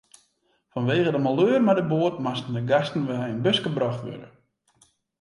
Fanwegen de maleur mei de boat moasten de gasten mei in buske brocht wurde.